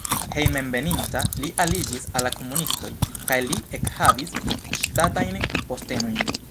Hejmenveninta li aliĝis al la komunistoj kaj li ekhavis ŝtatajn postenojn.